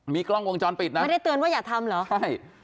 มีกล้องวงจรปิดนะไม่ได้เตือนว่าอย่าทำเหรอใช่